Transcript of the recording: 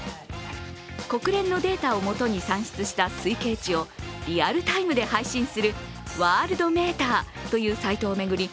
国連のデータを基に算出した推計値をリアルタイムで配信するＷｏｒｌｄｍｅｔｅｒというサイトを巡り